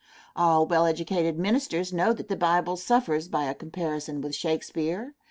All well educated ministers know that the Bible suffers by a comparison with Shakespeare.